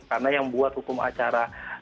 karena yang membuat hukum acara